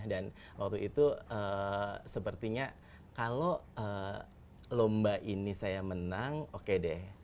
dan waktu itu sepertinya kalau lomba ini saya menang oke deh